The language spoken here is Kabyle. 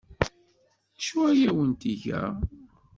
D acu ay awent-tga?